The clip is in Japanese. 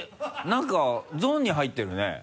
なんかゾーンに入ってるね。